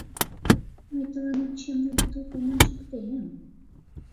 — Мый тыланет чемный бутылкам ончыктем!